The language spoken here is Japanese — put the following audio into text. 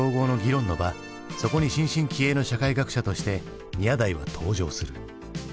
そこに新進気鋭の社会学者として宮台は登場する。